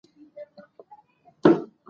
په یرغل کې دواړو هېوادنو وګړي قربانۍ ورکړې.